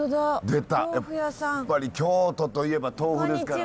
やっぱり京都といえば豆腐ですから。